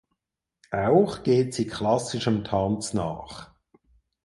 Auch geht sie klassischem Tanz nach.